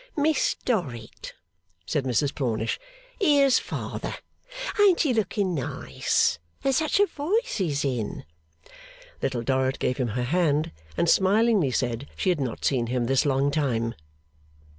'Miss Dorrit,' said Mrs Plornish, 'here's Father! Ain't he looking nice? And such voice he's in!' Little Dorrit gave him her hand, and smilingly said she had not seen him this long time.